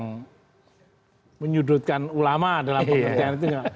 dibilang menyudutkan ulama dalam pertanyaan itu